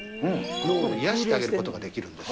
脳を冷やしてあげることができるんです。